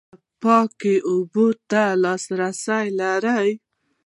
ایا پاکو اوبو ته لاسرسی لرئ؟